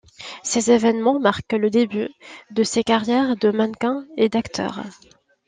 Ces événements marquent le début de ses carrières de mannequin et d’acteur.